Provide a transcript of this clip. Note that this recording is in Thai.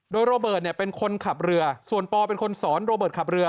โดยโรเบิร์ตเนี่ยเป็นคนขับเรือส่วนปอเป็นคนสอนโรเบิร์ตขับเรือ